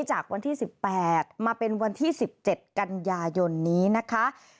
จากวันที่สิบแปดมาเป็นวันที่สิบเจ็ดกันยายนนี้นะคะ